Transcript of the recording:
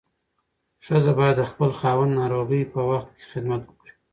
ښځه باید د خپل خاوند ناروغۍ په وخت کې خدمت وکړي.